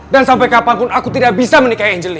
dan sampai kapanpun aku tidak bisa menikahi angel li